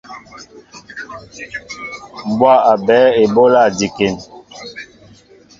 Mbwá a ɓɛέ eɓólá njikin.